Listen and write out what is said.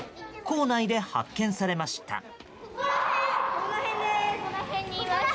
校内で発見されました。